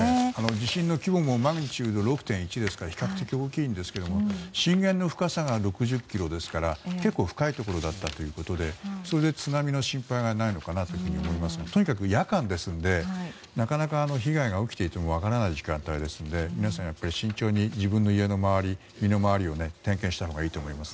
地震の規模もマグニチュード６．１ですから比較的大きいんですが震源の深さが６０ｋｍですから結構深いところだったということでそれで津波の心配がないのかなと思いますがとにかく夜間ですのでなかなか被害が起きていても分からない時間帯ですので皆さん、慎重に自分の家の周り身の回りを点検したほうがいいと思います。